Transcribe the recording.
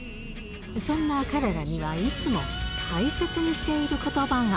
そんな彼らにはいつも大切にしていることばが。